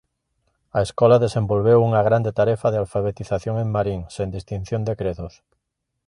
A escola desenvolveu unha grande tarefa de alfabetización en Marín sen distinción de credos.